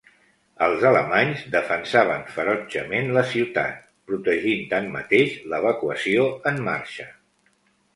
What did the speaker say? Els alemanys defensaven ferotgement la ciutat, protegint tanmateix l'evacuació en marxa.